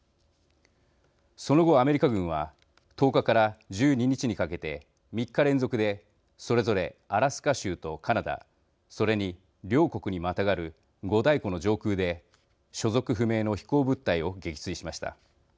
その後、アメリカ軍は１０日から１２日にかけて３日連続でそれぞれアラスカ州とカナダそれに両国にまたがる五大湖の上空で所属不明の飛行物体を撃墜しました。